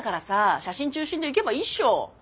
写真中心でいけばいいっしょ！